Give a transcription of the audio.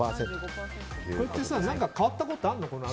これって変わったことあるの？